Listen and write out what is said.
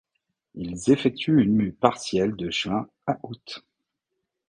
Ils effectuent une mue partielle de juin à août.